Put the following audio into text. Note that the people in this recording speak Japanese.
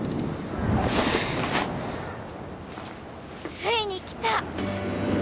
ついに来た